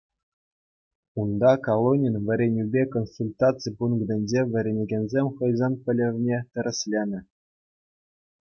Унта колонин вӗренӳпе консультаци пунктӗнче вӗренекенсем хӑйсен пӗлӗвне тӗрӗсленӗ.